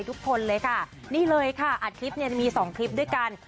ทุกคนเลยค่ะนี่เลยค่ะอัดคลิปเนี่ยจะมี๒คลิปด้วยกัน